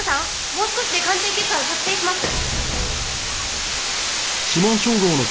もう少しで鑑定結果が確定します。